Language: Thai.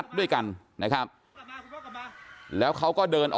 รู้ว่าเกิดผิดที่